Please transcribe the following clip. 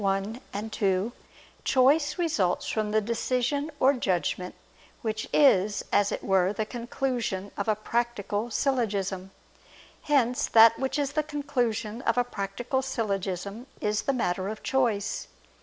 1, ad 2), choice results from the decision or judgment which is, as it were, the conclusion of a practical syllogism. Hence that which is the conclusion of a practical syllogism, is the matter of choice.